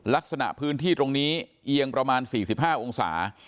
ลักษณะพื้นที่ตรงนี้เอียงประมาณ๔๕องศา